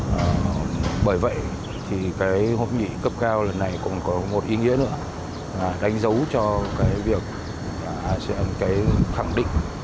và bởi vậy thì cái hội nghị cấp cao lần này cũng có một ý nghĩa nữa đánh dấu cho cái việc cái khẳng định